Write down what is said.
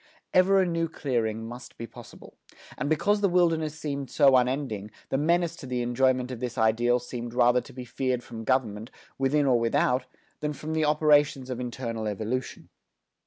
Ever a new clearing must be possible. And because the wilderness seemed so unending, the menace to the enjoyment of this ideal seemed rather to be feared from government, within or without, than from the operations of internal evolution.